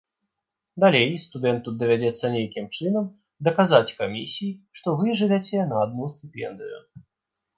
Далей студэнту давядзецца нейкім чынам даказаць камісіі, што вы жывяце на адну стыпендыю.